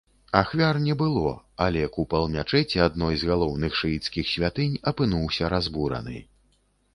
Ахвяр не было, але купал мячэці, адной з галоўных шыіцкіх святынь, апынуўся разбураны.